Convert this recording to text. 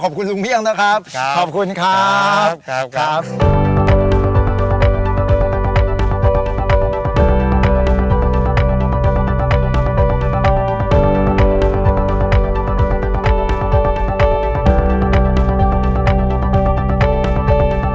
ขอบคุณลุงเมี่ยงนะครับครับขอบคุณครับครับครับ